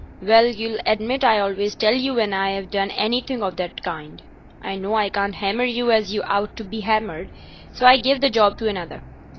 "Well, you'll admit I always tell you when I have done anything of that kind. I know I can't hammer you as you ought to be hammered, so I give the job to another.